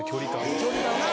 距離感な。